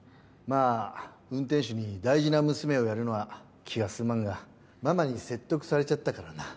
まあ運転手に大事な娘をやるのは気が進まんがママに説得されちゃったからな。